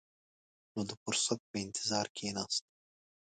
نو د فرصت په انتظار کښېناست.